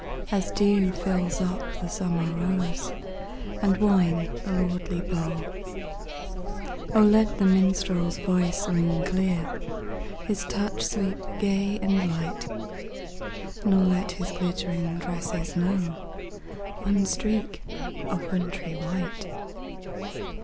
As dew fills up the summer rose And wine the lordly bowl ! let the minstrePs voice ring clear. His touch sweep gay and light; Nor let his glittering tresses know One streak of wintry white.